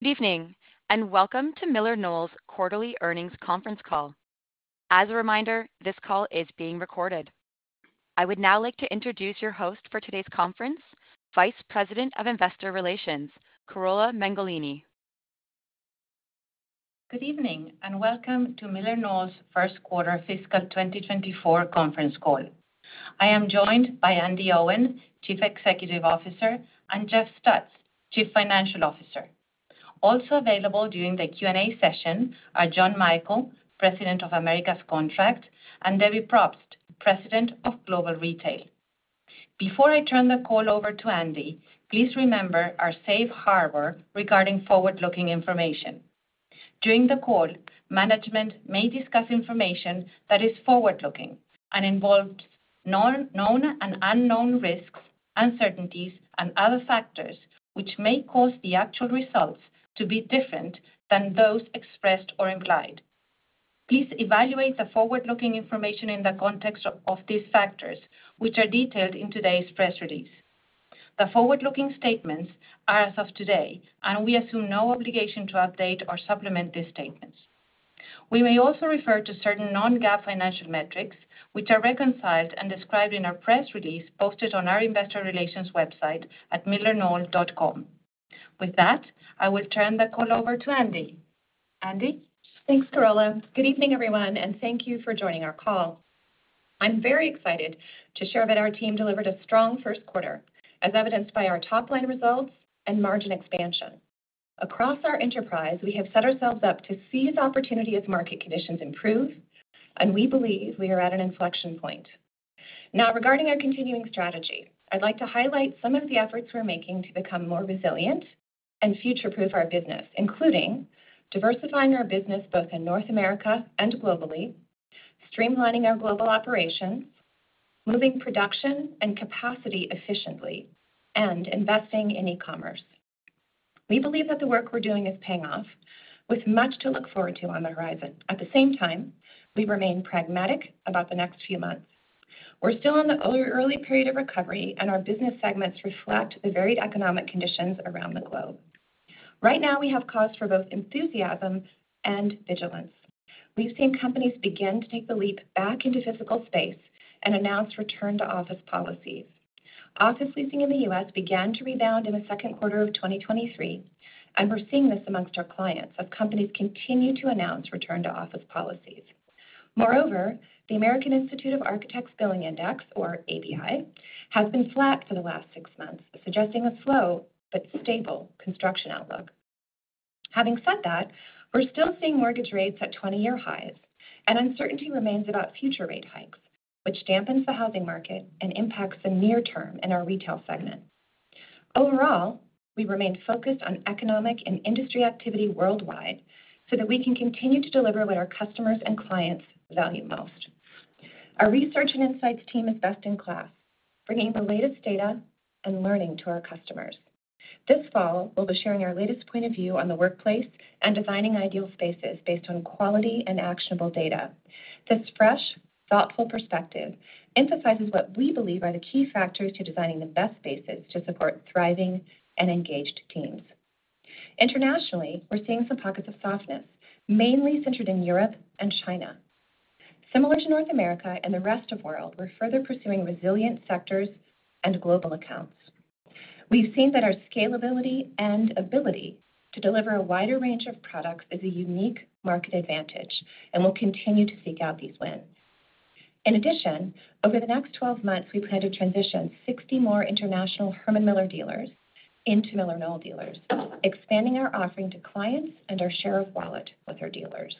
Good evening, and welcome to MillerKnoll's quarterly earnings conference call. As a reminder, this call is being recorded. I would now like to introduce your host for today's conference, Vice President of Investor Relations, Carola Mengolini. Good evening, and welcome to MillerKnoll's first quarter fiscal 2024 conference call. I am joined by Andi Owen, Chief Executive Officer, and Jeff Stutz, Chief Financial Officer. Also available during the Q&A session are John Michael, President of North America Contract, and Debbie Propst, President of Global Retail. Before I turn the call over to Andi, please remember our safe harbor regarding forward-looking information. During the call, management may discuss information that is forward-looking and involves known, known, and unknown risks, uncertainties, and other factors, which may cause the actual results to be different than those expressed or implied. Please evaluate the forward-looking information in the context of these factors, which are detailed in today's press release. The forward-looking statements are as of today, and we assume no obligation to update or supplement these statements. We may also refer to certain non-GAAP financial metrics, which are reconciled and described in our press release posted on our investor relations website at millerknoll.com. With that, I will turn the call over to Andi. Andi? Thanks, Carola. Good evening, everyone, and thank you for joining our call. I'm very excited to share that our team delivered a strong first quarter, as evidenced by our top-line results and margin expansion. Across our enterprise, we have set ourselves up to seize opportunity as market conditions improve, and we believe we are at an inflection point. Now, regarding our continuing strategy, I'd like to highlight some of the efforts we're making to become more resilient and future-proof our business, including diversifying our business both in North America and globally, streamlining our global operations, moving production and capacity efficiently, and investing in e-commerce. We believe that the work we're doing is paying off with much to look forward to on the horizon. At the same time, we remain pragmatic about the next few months. We're still in the early period of recovery, and our business segments reflect the varied economic conditions around the globe. Right now, we have cause for both enthusiasm and vigilance. We've seen companies begin to take the leap back into physical space and announce return-to-office policies. Office leasing in the U.S. began to rebound in the second quarter of 2023, and we're seeing this among our clients as companies continue to announce return-to-office policies. Moreover, the American Institute of Architects Billing Index, or ABI, has been flat for the last six months, suggesting a slow but stable construction outlook. Having said that, we're still seeing mortgage rates at 20-year highs, and uncertainty remains about future rate hikes, which dampens the housing market and impacts the near term in our retail segment. Overall, we remain focused on economic and industry activity worldwide so that we can continue to deliver what our customers and clients value most. Our research and insights team is best in class, bringing the latest data and learning to our customers. This fall, we'll be sharing our latest point of view on the workplace and designing ideal spaces based on quality and actionable data. This fresh, thoughtful perspective emphasizes what we believe are the key factors to designing the best spaces to support thriving and engaged teams. Internationally, we're seeing some pockets of softness, mainly centered in Europe and China. Similar to North America and the rest of world, we're further pursuing resilient sectors and global accounts. We've seen that our scalability and ability to deliver a wider range of products is a unique market advantage and will continue to seek out these wins. In addition, over the next 12 months, we plan to transition 60 more international Herman Miller dealers into MillerKnoll dealers, expanding our offering to clients and our share of wallet with our dealers.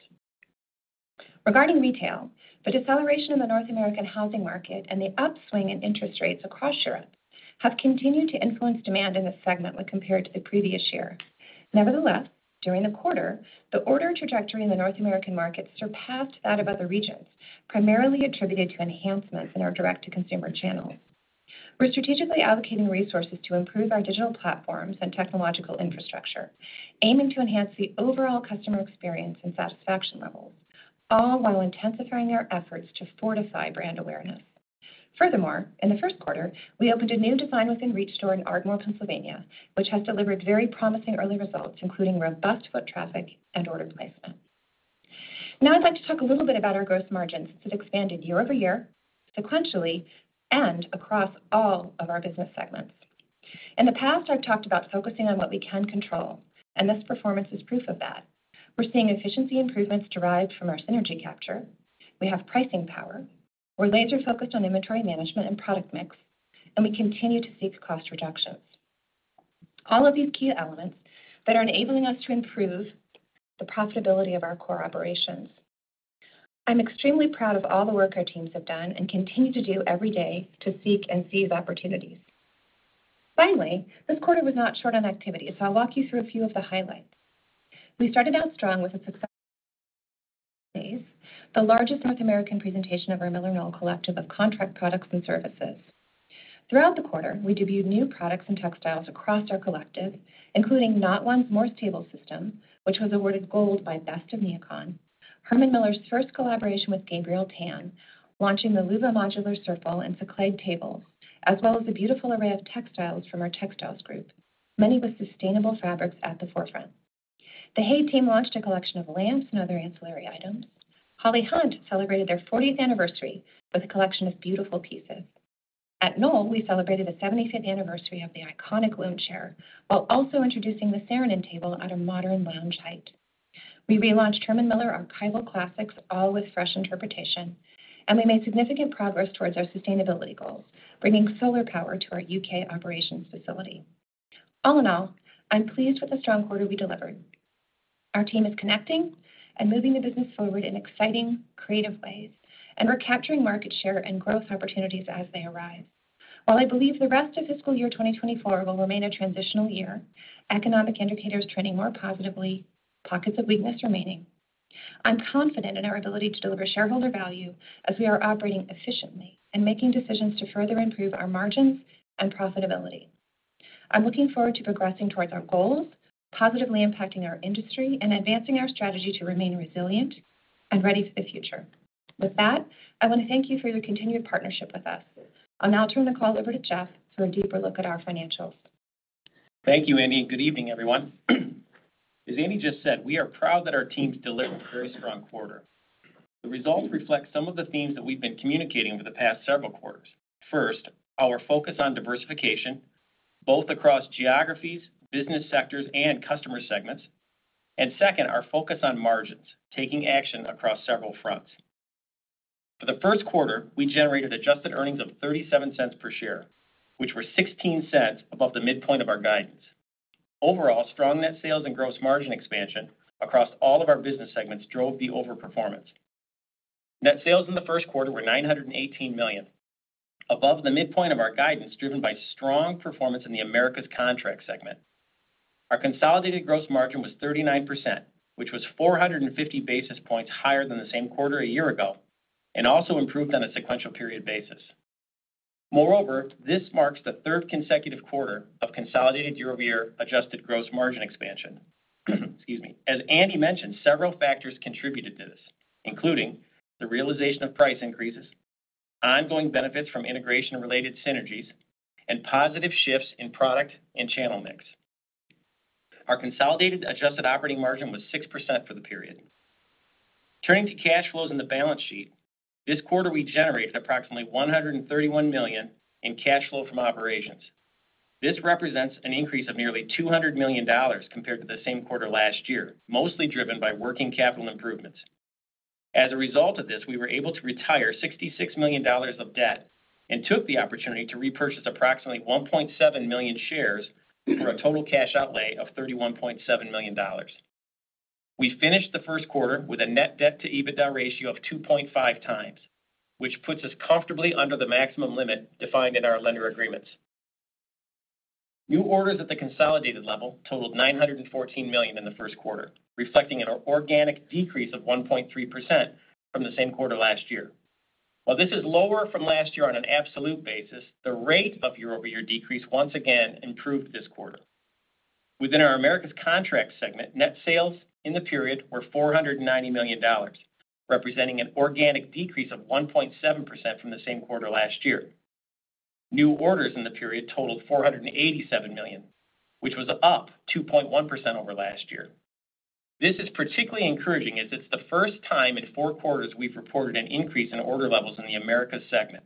Regarding retail, the deceleration in the North American housing market and the upswing in interest rates across Europe have continued to influence demand in this segment when compared to the previous year. Nevertheless, during the quarter, the order trajectory in the North American market surpassed that of other regions, primarily attributed to enhancements in our direct-to-consumer channels. We're strategically allocating resources to improve our digital platforms and technological infrastructure, aiming to enhance the overall customer experience and satisfaction levels, all while intensifying our efforts to fortify brand awareness. Furthermore, in the first quarter, we opened a new Design Within Reach store in Ardmore, Pennsylvania, which has delivered very promising early results, including robust foot traffic and order placement. Now, I'd like to talk a little bit about our gross margins that expanded year-over-year, sequentially, and across all of our business segments. In the past, I've talked about focusing on what we can control, and this performance is proof of that. We're seeing efficiency improvements derived from our synergy capture. We have pricing power. We're laser-focused on inventory management and product mix, and we continue to seek cost reductions. All of these key elements that are enabling us to improve the profitability of our core operations. I'm extremely proud of all the work our teams have done and continue to do every day to seek and seize opportunities. Finally, this quarter was not short on activity, so I'll walk you through a few of the highlights. We started out strong with a successful Design Days, the largest North American presentation of our MillerKnoll collective of contract products and services. Throughout the quarter, we debuted new products and textiles across our collective, including NaughtOne's Morse Table System, which was awarded gold by Best of NeoCon. Herman Miller's first collaboration with Gabriel Tan, launching the Luva Modular Sofa and Cyclade Tables, as well as a beautiful array of textiles from our textiles group, many with sustainable fabrics at the forefront. The HAY team launched a collection of lamps and other ancillary items. Holly Hunt celebrated their fortieth anniversary with a collection of beautiful pieces. At Knoll, we celebrated the seventy-fifth anniversary of the iconic Womb Chair, while also introducing the Saarinen Table at a modern lounge height. We relaunched Herman Miller archival classics, all with fresh interpretation, and we made significant progress towards our sustainability goals, bringing solar power to our U.K. operations facility. All in all, I'm pleased with the strong quarter we delivered. Our team is connecting and moving the business forward in exciting, creative ways, and we're capturing market share and growth opportunities as they arise. While I believe the rest of fiscal year 2024 will remain a transitional year, economic indicators trending more positively, pockets of weakness remaining, I'm confident in our ability to deliver shareholder value as we are operating efficiently and making decisions to further improve our margins and profitability. I'm looking forward to progressing towards our goals, positively impacting our industry, and advancing our strategy to remain resilient and ready for the future. With that, I want to thank you for your continued partnership with us. I'll now turn the call over to Jeff for a deeper look at our financials. Thank you, Andi, and good evening, everyone. As Andi just said, we are proud that our teams delivered a very strong quarter. The results reflect some of the themes that we've been communicating over the past several quarters. First, our focus on diversification, both across geographies, business sectors, and customer segments, and second, our focus on margins, taking action across several fronts. For the first quarter, we generated adjusted earnings of $0.37 per share, which were $0.16 above the midpoint of our guidance. Overall, strong net sales and gross margin expansion across all of our business segments drove the overperformance. Net sales in the first quarter were $918 million, above the midpoint of our guidance, driven by strong performance in the Americas Contract segment. Our consolidated gross margin was 39%, which was 450 basis points higher than the same quarter a year ago and also improved on a sequential period basis. Moreover, this marks the third consecutive quarter of consolidated year-over-year adjusted gross margin expansion. Excuse me. As Andi mentioned, several factors contributed to this, including the realization of price increases, ongoing benefits from integration-related synergies, and positive shifts in product and channel mix. Our consolidated adjusted operating margin was 6% for the period. Turning to cash flows in the balance sheet, this quarter we generated approximately $131 million in cash flow from operations. This represents an increase of nearly $200 million compared to the same quarter last year, mostly driven by working capital improvements. As a result of this, we were able to retire $66 million of debt and took the opportunity to repurchase approximately 1.7 million shares for a total cash outlay of $31.7 million. We finished the first quarter with a net debt to EBITDA ratio of 2.5x, which puts us comfortably under the maximum limit defined in our lender agreements. New orders at the consolidated level totaled 914 million in the first quarter, reflecting an organic decrease of 1.3% from the same quarter last year. While this is lower from last year on an absolute basis, the rate of year-over-year decrease once again improved this quarter. Within our Americas Contract segment, net sales in the period were $490 million, representing an organic decrease of 1.7% from the same quarter last year. New orders in the period totaled $487 million, which was up 2.1% over last year. This is particularly encouraging, as it's the first time in four quarters we've reported an increase in order levels in the Americas segment.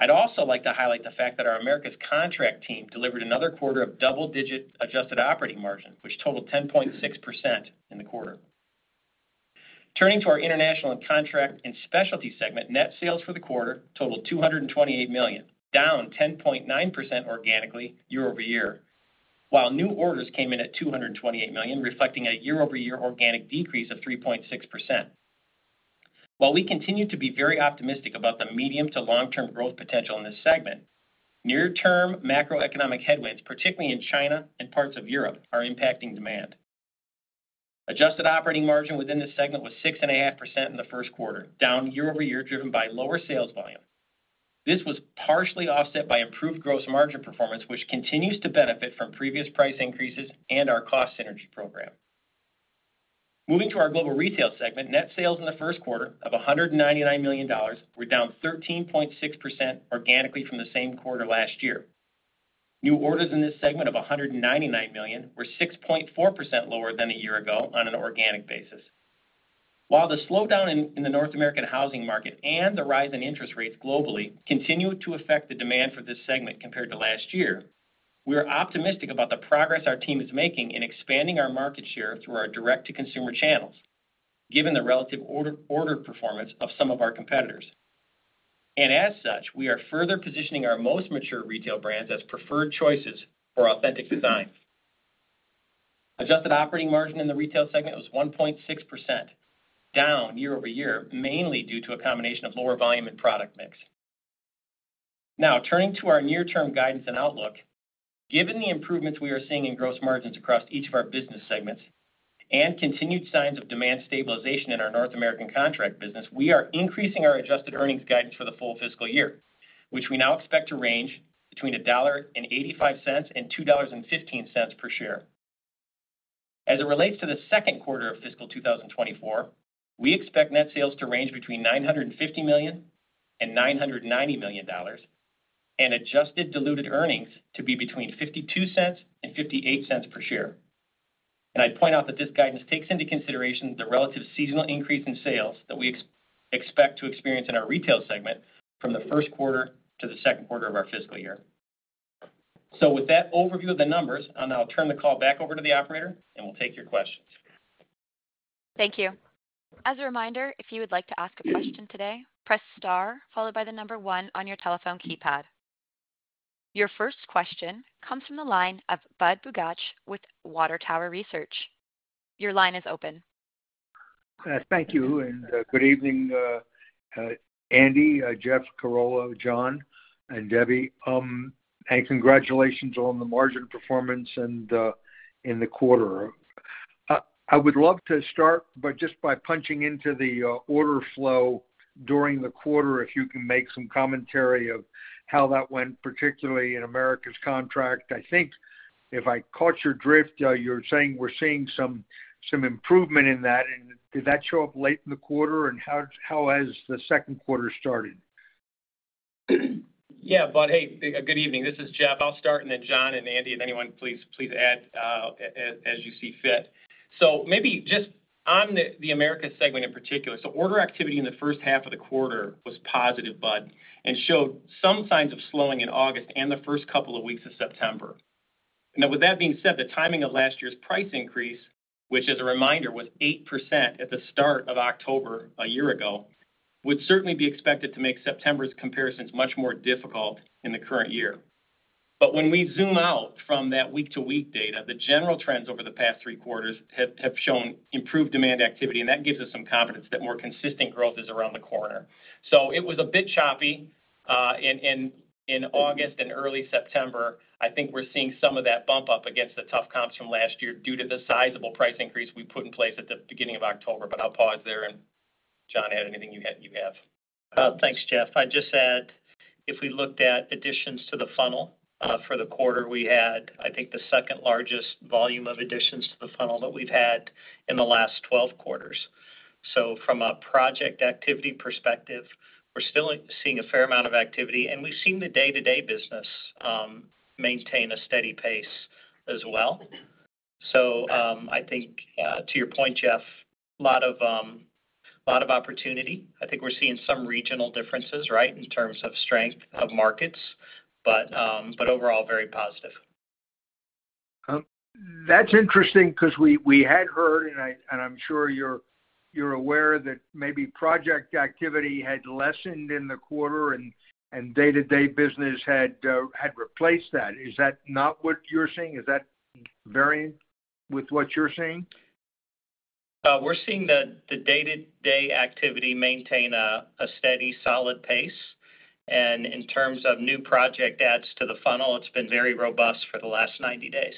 I'd also like to highlight the fact that our Americas Contract team delivered another quarter of double-digit Adjusted Operating Margin, which totaled 10.6% in the quarter. Turning to our International and Contract and Specialty segment, net sales for the quarter totaled $228 million, down 10.9% organically year-over-year, while new orders came in at $228 million, reflecting a year-over-year organic decrease of 3.6%. While we continue to be very optimistic about the medium to long-term growth potential in this segment, near-term macroeconomic headwinds, particularly in China and parts of Europe, are impacting demand. Adjusted operating margin within this segment was 6.5% in the first quarter, down year-over-year, driven by lower sales volume. This was partially offset by improved gross margin performance, which continues to benefit from previous price increases and our cost synergy program. Moving to our Global Retail segment, net sales in the first quarter of $199 million were down 13.6% organically from the same quarter last year. New orders in this segment of $199 million were 6.4% lower than a year ago on an organic basis. While the slowdown in the North American housing market and the rise in interest rates globally continue to affect the demand for this segment compared to last year, we are optimistic about the progress our team is making in expanding our market share through our direct-to-consumer channels, given the relative order performance of some of our competitors. And as such, we are further positioning our most mature retail brands as preferred choices for authentic design. Adjusted Operating Margin in the retail segment was 1.6%, down year-over-year, mainly due to a combination of lower volume and product mix. Now, turning to our near-term guidance and outlook. Given the improvements we are seeing in gross margins across each of our business segments and continued signs of demand stabilization in our North American contract business, we are increasing our adjusted earnings guidance for the full fiscal year, which we now expect to range between $1.85 and $2.15 per share. As it relates to the second quarter of fiscal 2024, we expect net sales to range between $950 million and $990 million, and adjusted diluted earnings to be between $0.52 and $0.58 per share. And I'd point out that this guidance takes into consideration the relative seasonal increase in sales that we expect to experience in our retail segment from the first quarter to the second quarter of our fiscal year. So with that overview of the numbers, I'll now turn the call back over to the operator, and we'll take your questions. Thank you. As a reminder, if you would like to ask a question today, press star, followed by the number one on your telephone keypad. Your first question comes from the line of Budd Bugatch with Water Tower Research. Your line is open. Thank you, and good evening, Andi, Jeff, Carola, John, and Debbie. Congratulations on the margin performance and in the quarter. I would love to start by just punching into the order flow during the quarter, if you can make some commentary of how that went, particularly in Americas contract. I think if I caught your drift, you're saying we're seeing some improvement in that. And did that show up late in the quarter, and how has the second quarter started? Yeah, Bud. Hey, good evening. This is Jeff. I'll start, and then John and Andi, if anyone, please, please add as you see fit. So maybe just on the America segment in particular. So order activity in the first half of the quarter was positive, Bud, and showed some signs of slowing in August and the first couple of weeks of September. Now, with that being said, the timing of last year's price increase, which, as a reminder, was 8% at the start of October a year ago, would certainly be expected to make September's comparisons much more difficult in the current year. But when we zoom out from that week-to-week data, the general trends over the past three quarters have shown improved demand activity, and that gives us some confidence that more consistent growth is around the corner. So it was a bit choppy in August and early September. I think we're seeing some of that bump up against the tough comps from last year due to the sizable price increase we put in place at the beginning of October. But I'll pause there, and John, add anything you had, you have. Thanks, Jeff. I'd just add, if we looked at additions to the funnel, for the quarter, we had, I think, the second largest volume of additions to the funnel that we've had in the last 12 quarters. So from a project activity perspective, we're still seeing a fair amount of activity, and we've seen the day-to-day business, maintain a steady pace as well. So, I think, to your point, Jeff, a lot of, a lot of opportunity. I think we're seeing some regional differences, right, in terms of strength of markets, but, but overall, very positive. That's interesting because we had heard, and I'm sure you're aware, that maybe project activity had lessened in the quarter and day-to-day business had replaced that. Is that not what you're seeing? Is that varying with what you're seeing? We're seeing the day-to-day activity maintain a steady, solid pace. And in terms of new project adds to the funnel, it's been very robust for the last 90 days.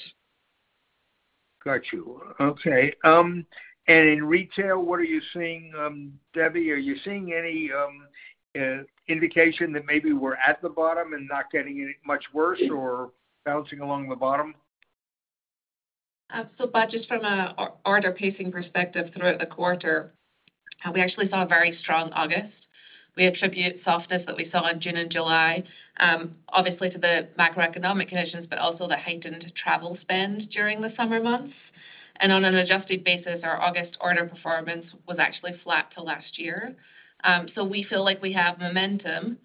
Got you. Okay. And in retail, what are you seeing, Debbie? Are you seeing any indication that maybe we're at the bottom and not getting any much worse or bouncing along the bottom? So Bud, just from an order pacing perspective throughout the quarter, we actually saw a very strong August. We attribute softness that we saw in June and July, obviously to the macroeconomic conditions, but also the heightened travel spend during the summer months. On an adjusted basis, our August order performance was actually flat to last year. So we feel like we have momentum.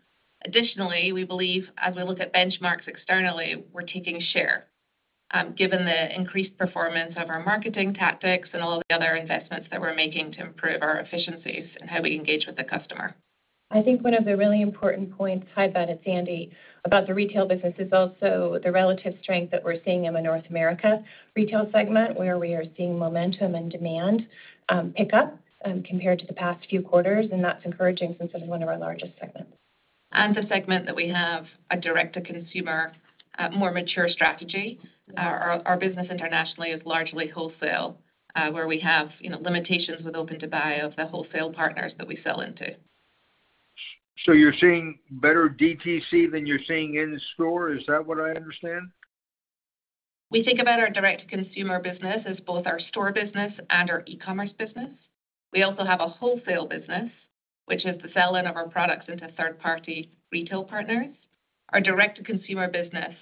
Additionally, we believe as we look at benchmarks externally, we're taking share, given the increased performance of our marketing tactics and all of the other investments that we're making to improve our efficiencies and how we engage with the customer. I think one of the really important points, hi, Bud and Sandy, about the retail business is also the relative strength that we're seeing in the North America retail segment, where we are seeing momentum and demand, pick up, compared to the past few quarters, and that's encouraging since it is one of our largest segments. The segment that we have a direct-to-consumer, more mature strategy. Our, our business internationally is largely wholesale, where we have, you know, limitations with open to buy of the wholesale partners that we sell into. So you're seeing better DTC than you're seeing in store? Is that what I understand? We think about our direct-to-consumer business as both our store business and our e-commerce business. We also have a wholesale business, which is the sell-in of our products into third-party retail partners. Our direct-to-consumer business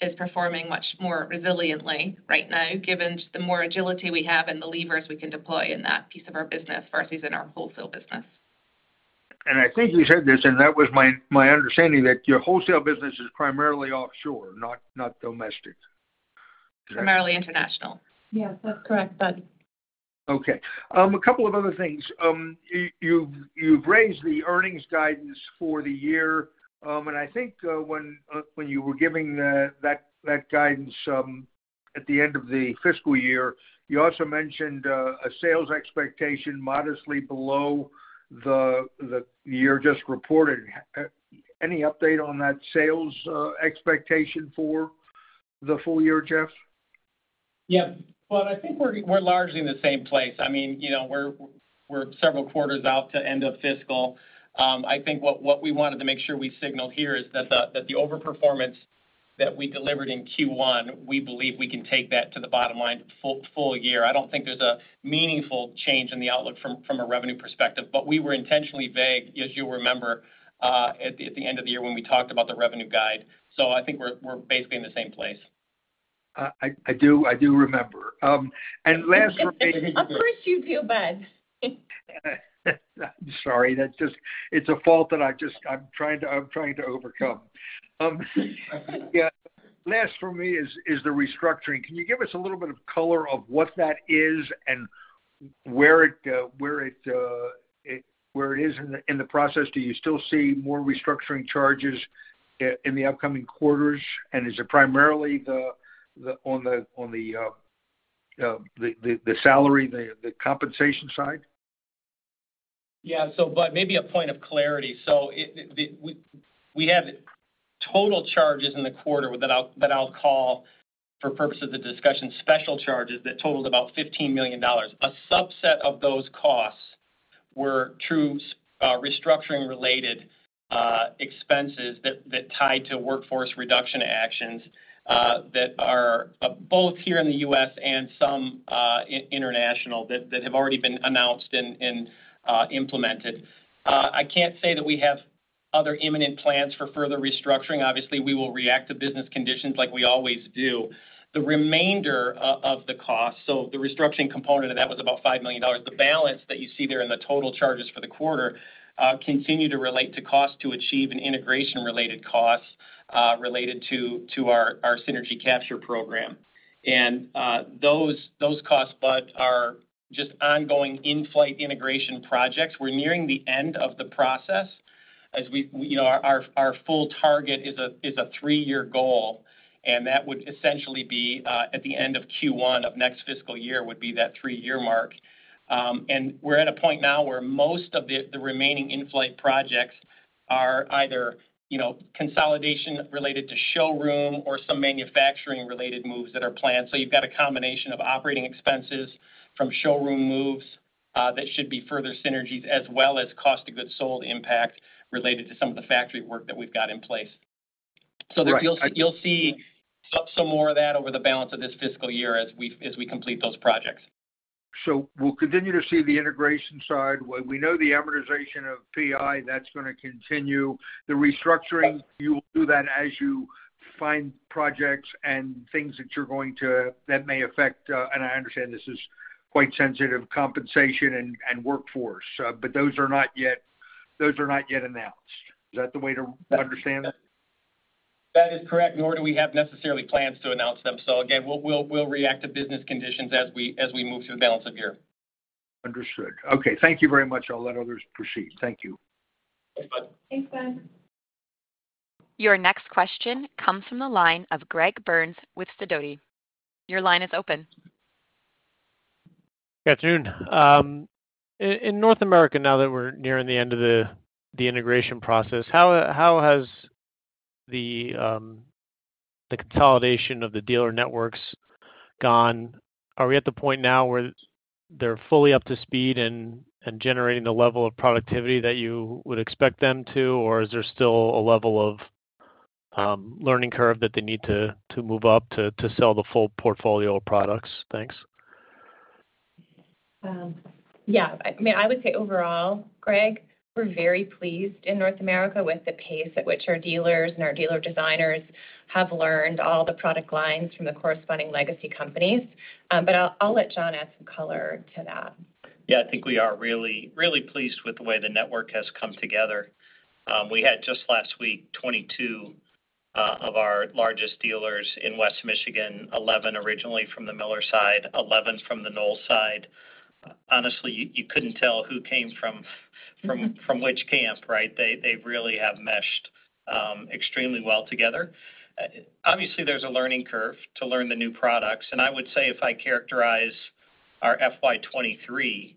is performing much more resiliently right now, given the more agility we have and the levers we can deploy in that piece of our business versus in our wholesale business. I think you said this, and that was my understanding, that your wholesale business is primarily offshore, not domestic. Primarily international. Yes, that's correct, Bud. Okay. A couple of other things. You've raised the earnings guidance for the year. I think when you were giving that guidance at the end of the fiscal year, you also mentioned a sales expectation modestly below the year just reported. Any update on that sales expectation for the full year, Jeff? Yep. Well, I think we're largely in the same place. I mean, you know, we're several quarters out to end of fiscal. I think what we wanted to make sure we signaled here is that the overperformance that we delivered in Q1, we believe we can take that to the bottom line full year. I don't think there's a meaningful change in the outlook from a revenue perspective, but we were intentionally vague, as you'll remember, at the end of the year when we talked about the revenue guide. So I think we're basically in the same place. I do remember. And last for me. Of course, you do, Bud. I'm sorry, that's just... It's a fault that I just-- I'm trying to, I'm trying to overcome. Yeah. Last for me is the restructuring. Can you give us a little bit of color on what that is and where it is in the process? Do you still see more restructuring charges in the upcoming quarters? And is it primarily on the salary, the compensation side? Yeah, so but maybe a point of clarity. So it, the, we have total charges in the quarter that I'll call, for purposes of the discussion, special charges that totaled about $15 million. A subset of those costs were true restructuring related expenses that tied to workforce reduction actions that are both here in the U.S. and some international that have already been announced and implemented. I can't say that we have other imminent plans for further restructuring. Obviously, we will react to business conditions like we always do. The remainder of the cost, so the restructuring component of that was about $5 million. The balance that you see there in the total charges for the quarter continue to relate to cost to achieve and integration-related costs related to our Synergy Capture program. And those costs are just ongoing in-flight integration projects. We're nearing the end of the process as we. You know, our full target is a three-year goal, and that would essentially be at the end of Q1 of next fiscal year would be that three-year mark. And we're at a point now where most of the remaining in-flight projects are either, you know, consolidation related to showroom or some manufacturing-related moves that are planned. So you've got a combination of operating expenses from showroom moves, that should be further synergies, as well as cost of goods sold impact related to some of the factory work that we've got in place. Right. So you'll see some more of that over the balance of this fiscal year as we complete those projects. So we'll continue to see the integration side. Well, we know the amortization of PI, that's gonna continue. The restructuring, you will do that as you find projects and things that you're going to... That may affect, and I understand this is quite sensitive, compensation and, and workforce, but those are not yet, those are not yet announced. Is that the way to understand that? That is correct, nor do we have necessarily plans to announce them. So again, we'll react to business conditions as we move through the balance of year. Understood. Okay, thank you very much. I'll let others proceed. Thank you. Thanks, Bud. Thanks, Bud. Your next question comes from the line of Greg Burns with Sidoti. Your line is open. Good afternoon. In North America, now that we're nearing the end of the integration process, how has the consolidation of the dealer networks gone? Are we at the point now where they're fully up to speed and generating the level of productivity that you would expect them to, or is there still a level of learning curve that they need to move up to to sell the full portfolio of products? Thanks. Yeah. I mean, I would say overall, Greg, we're very pleased in North America with the pace at which our dealers and our dealer designers have learned all the product lines from the corresponding legacy companies. But I'll let John add some color to that. Yeah, I think we are really, really pleased with the way the network has come together. We had just last week, 22 of our largest dealers in West Michigan, 11 originally from the Miller side, 11 from the Knoll side. Honestly, you couldn't tell who came from which camp, right? They really have meshed extremely well together. Obviously, there's a learning curve to learn the new products, and I would say if I characterize our FY 2023,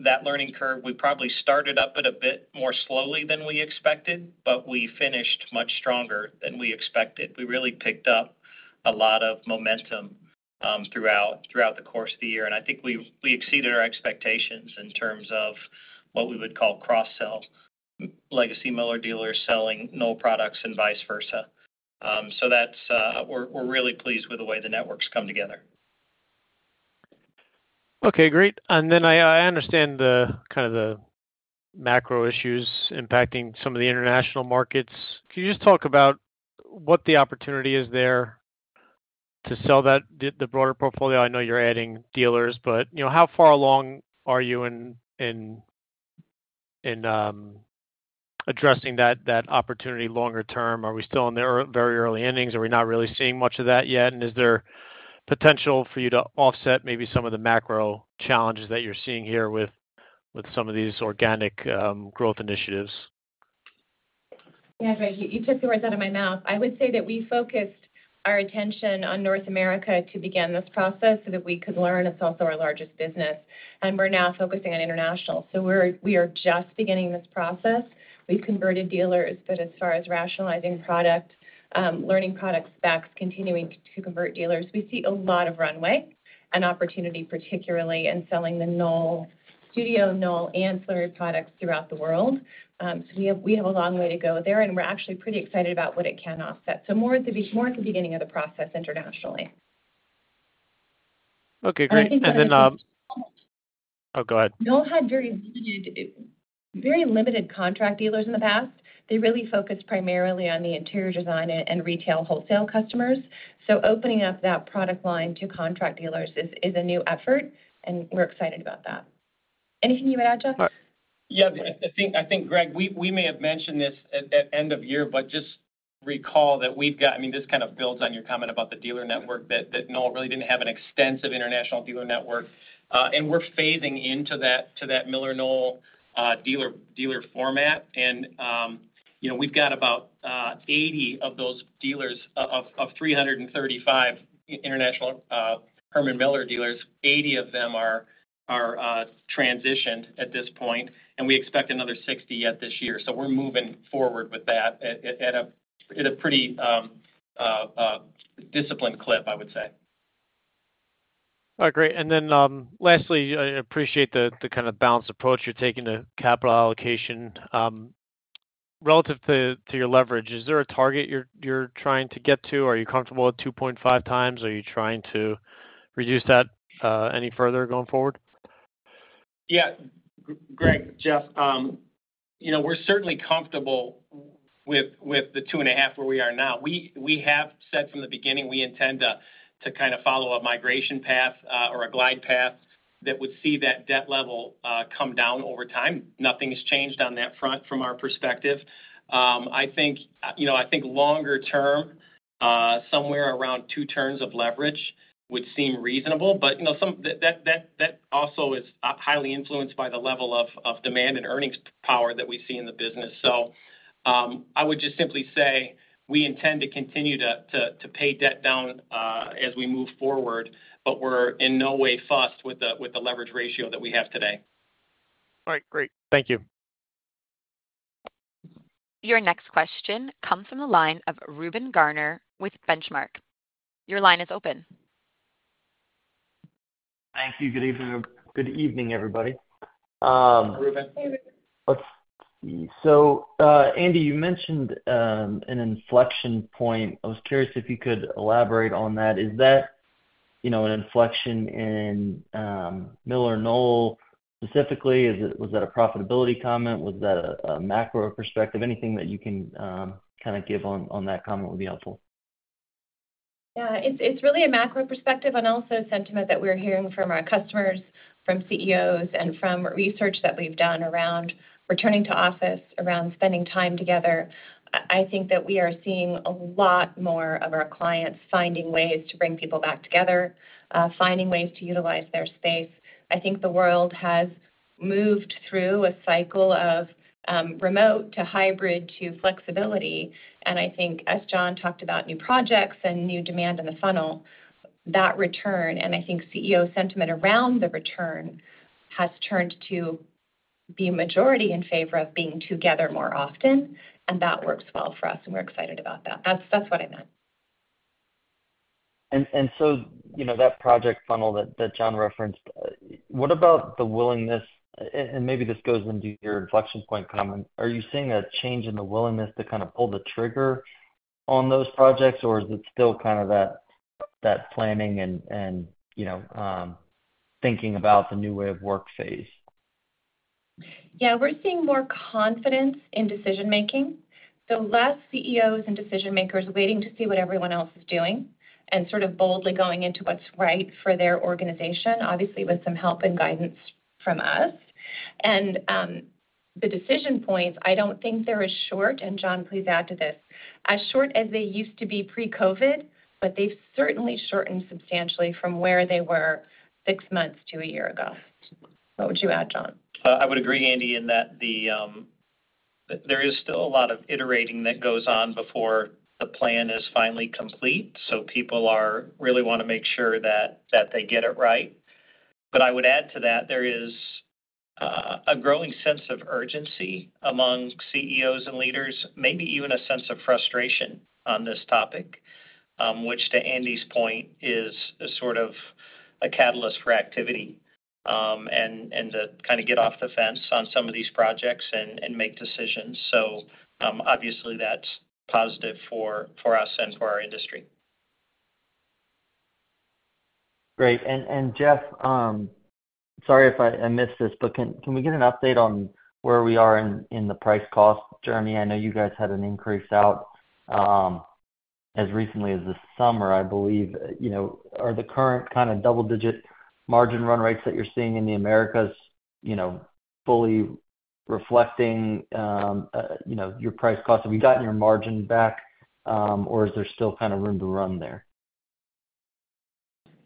that learning curve, we probably started up it a bit more slowly than we expected, but we finished much stronger than we expected. We really picked up a lot of momentum throughout the course of the year, and I think we exceeded our expectations in terms of what we would call cross-sell. Legacy Miller dealers selling Knoll products and vice versa. So that's, we're really pleased with the way the networks come together. Okay, great. And then I understand the kind of the macro issues impacting some of the international markets. Can you just talk about what the opportunity is there to sell that the broader portfolio? I know you're adding dealers, but you know, how far along are you in addressing that opportunity longer term? Are we still in the very early innings? Are we not really seeing much of that yet? And is there potential for you to offset maybe some of the macro challenges that you're seeing here with some of these organic growth initiatives? Yeah, Greg, you, you took the words out of my mouth. I would say that we focused our attention on North America to begin this process so that we could learn. It's also our largest business, and we're now focusing on international. So we're-- we are just beginning this process. We've converted dealers, but as far as rationalizing product, learning product specs, continuing to convert dealers, we see a lot of runway and opportunity, particularly in selling the Knoll, Studio Knoll, and Muuto products throughout the world. So we have, we have a long way to go there, and we're actually pretty excited about what it can offset. So more at the be-- more in the beginning of the process internationally. Okay, great. And then... Oh, go ahead. Knoll had very limited, very limited contract dealers in the past. They really focused primarily on the interior design and retail wholesale customers. So opening up that product line to contract dealers is a new effort, and we're excited about that. Anything you want to add, John? Yeah, I think, Greg, we may have mentioned this at end of year, but just recall that we've got. I mean, this kind of builds on your comment about the dealer network, that Knoll really didn't have an extensive international dealer network. And we're phasing into that, to that MillerKnoll dealer format. And, you know, we've got about 80 of those dealers, of 335 international Herman Miller dealers, 80 of them are transitioned at this point, and we expect another 60 yet this year. So we're moving forward with that at a pretty disciplined clip, I would say. All right, great. Then, lastly, I appreciate the kind of balanced approach you're taking to capital allocation. Relative to your leverage, is there a target you're trying to get to? Are you comfortable at 2.5x, or are you trying to reduce that any further going forward? Yeah. Greg, Jeff, you know, we're certainly comfortable with the 2.5 where we are now. We have said from the beginning, we intend to kind of follow a migration path or a glide path that would see that debt level come down over time. Nothing's changed on that front from our perspective. I think, you know, I think longer term, somewhere around two turns of leverage would seem reasonable, but, you know, that also is highly influenced by the level of demand and earnings power that we see in the business. So, I would just simply say, we intend to continue to pay debt down as we move forward, but we're in no way fussed with the leverage ratio that we have today. All right, great. Thank you. Your next question comes from the line of Reuben Garner with Benchmark. Your line is open. Thank you. Good evening, good evening, everybody. Hi, Reuben. Hey, Reuben. Let's see. So, Andi, you mentioned an inflection point. I was curious if you could elaborate on that. Is that, you know, an inflection in MillerKnoll specifically? Is it—was that a profitability comment? Was that a macro perspective? Anything that you can kind of give on that comment would be helpful. Yeah, it's, it's really a macro perspective and also a sentiment that we're hearing from our customers, from CEOs, and from research that we've done around returning to office, around spending time together. I, I think that we are seeing a lot more of our clients finding ways to bring people back together, finding ways to utilize their space. I think the world has moved through a cycle of, remote to hybrid to flexibility, and I think as John talked about new projects and new demand in the funnel, that return, and I think CEO sentiment around the return, has turned to be a majority in favor of being together more often, and that works well for us, and we're excited about that. That's, that's what I meant. So, you know, that project funnel that John referenced, what about the willingness... And maybe this goes into your inflection point comment. Are you seeing a change in the willingness to kind of pull the trigger on those projects, or is it still kind of that planning and, you know, thinking about the new way of work phase? Yeah, we're seeing more confidence in decision-making. So less CEOs and decision makers waiting to see what everyone else is doing and sort of boldly going into what's right for their organization, obviously, with some help and guidance from us. And, the decision points, I don't think they're as short, and John, please add to this, as short as they used to be pre-COVID, but they've certainly shortened substantially from where they were six months to a year ago. What would you add, John? I would agree, Andi, in that there is still a lot of iterating that goes on before the plan is finally complete. So people are really wanna make sure that they get it right. But I would add to that, there is a growing sense of urgency among CEOs and leaders, maybe even a sense of frustration on this topic, which, to Andi's point, is a sort of a catalyst for activity, and to kind of get off the fence on some of these projects and make decisions. So, obviously, that's positive for us and for our industry. Great. Jeff, sorry if I missed this, but can we get an update on where we are in the price cost journey? I know you guys had an increase out as recently as this summer, I believe. You know, are the current kind of double-digit margin run rates that you're seeing in the Americas you know, fully reflecting your price cost? Have you gotten your margin back or is there still kind of room to run there?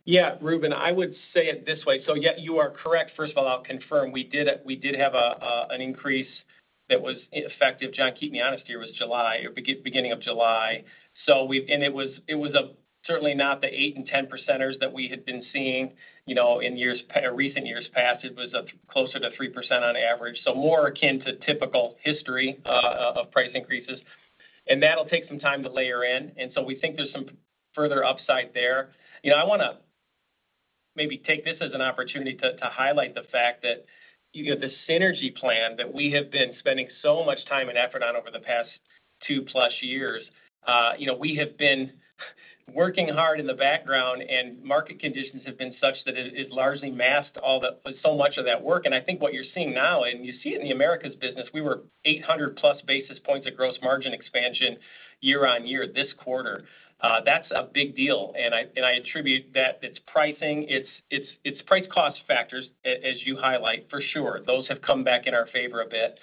Yeah, Reuben, I would say it this way. So, yeah, you are correct. First of all, I'll confirm we did it. We did have a an increase that was effective. John, keep me honest here. It was July, or beginning of July. So we and it was, it was, certainly not the 8% and 10%ers that we had been seeing, you know, in years, recent years past. It was, closer to 3% on average, so more akin to typical history, of price increases. And that'll take some time to layer in, and so we think there's some further upside there. You know, I wanna maybe take this as an opportunity to highlight the fact that, you know, the synergy plan that we have been spending so much time and effort on over the past 2+ years, you know, we have been working hard in the background, and market conditions have been such that it largely masked all the—so much of that work. I think what you're seeing now, and you see it in the Americas business, we were 800+ basis points of gross margin expansion year-on-year this quarter. That's a big deal, and I attribute that. It's pricing, it's price cost factors, as you highlight, for sure. Those have come back in our favor a bit,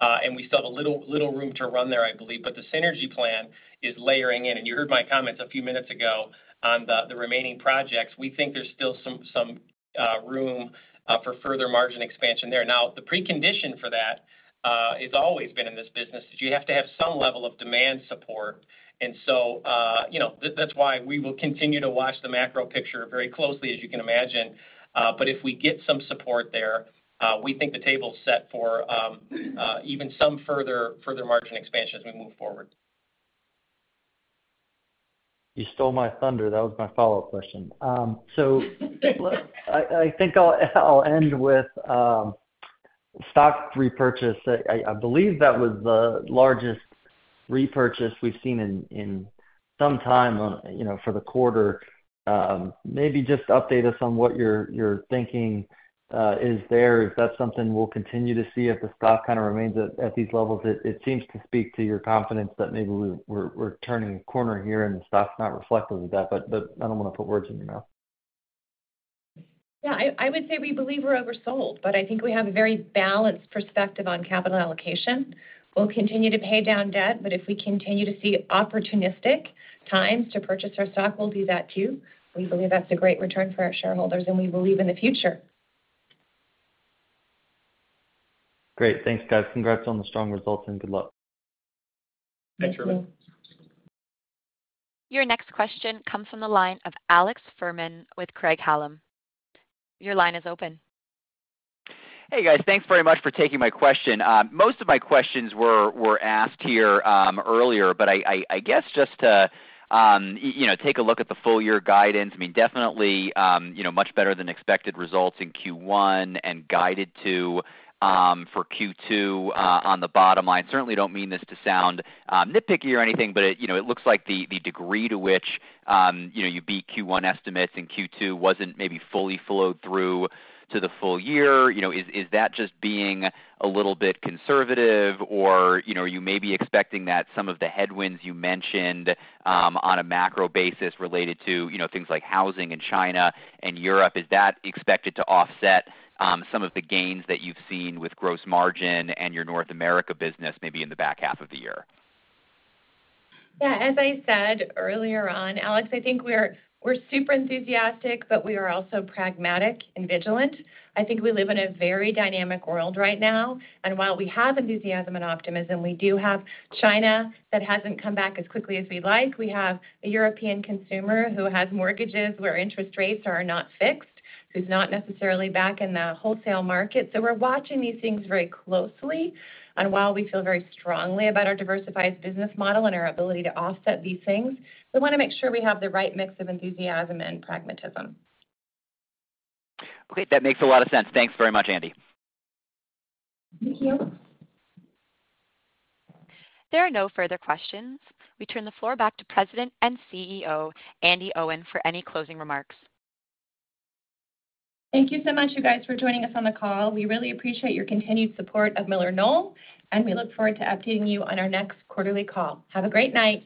and we still have a little room to run there, I believe. But the synergy plan is layering in, and you heard my comments a few minutes ago on the remaining projects. We think there's still some room for further margin expansion there. Now, the precondition for that has always been in this business, is you have to have some level of demand support. And so, you know, that's why we will continue to watch the macro picture very closely, as you can imagine. But if we get some support there, we think the table is set for even some further margin expansion as we move forward. You stole my thunder. That was my follow-up question. I think I'll end with stock repurchase. I believe that was the largest repurchase we've seen in some time, you know, for the quarter. Maybe just update us on what your thinking is there. If that's something we'll continue to see if the stock kinda remains at these levels. It seems to speak to your confidence that maybe we're turning a corner here, and the stock's not reflective of that, but I don't want to put words in your mouth. Yeah, I, I would say we believe we're oversold, but I think we have a very balanced perspective on capital allocation. We'll continue to pay down debt, but if we continue to see opportunistic times to purchase our stock, we'll do that too. We believe that's a great return for our shareholders, and we believe in the future. Great. Thanks, guys. Congrats on the strong results, and good luck. Thanks, Ruben. Thank you. Your next question comes from the line of Alex Fuhrman with Craig-Hallum. Your line is open. Hey, guys, thanks very much for taking my question. Most of my questions were asked here earlier, but I guess, just to, you know, take a look at the full year guidance, I mean, definitely, you know, much better than expected results in Q1 and guided to, for Q2, on the bottom line. Certainly don't mean this to sound, nitpicky or anything, but it, you know, it looks like the degree to which, you know, you beat Q1 estimates and Q2 wasn't maybe fully flowed through to the full year. You know, is that just being a little bit conservative? Or, you know, are you maybe expecting that some of the headwinds you mentioned, on a macro basis related to, you know, things like housing in China and Europe, is that expected to offset, some of the gains that you've seen with gross margin and your North America business, maybe in the back half of the year? Yeah, as I said earlier on, Alex, I think we're super enthusiastic, but we are also pragmatic and vigilant. I think we live in a very dynamic world right now, and while we have enthusiasm and optimism, we do have China that hasn't come back as quickly as we'd like. We have a European consumer who has mortgages, where interest rates are not fixed, who's not necessarily back in the wholesale market. So we're watching these things very closely. And while we feel very strongly about our diversified business model and our ability to offset these things, we wanna make sure we have the right mix of enthusiasm and pragmatism. Okay, that makes a lot of sense. Thanks very much, Andi. Thank you. There are no further questions. We turn the floor back to President and CEO, Andi Owen, for any closing remarks. Thank you so much, you guys, for joining us on the call. We really appreciate your continued support of MillerKnoll, and we look forward to updating you on our next quarterly call. Have a great night.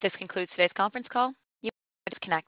This concludes today's conference call. You may disconnect.